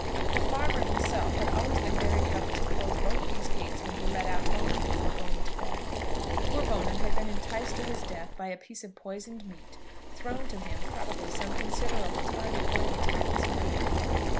The farmer himself had always been very careful to close both these gates when he let out Bone'm before going to bed. Poor Bone'm had been enticed to his death by a piece of poisoned meat, thrown to him probably some considerable time before the attack was made.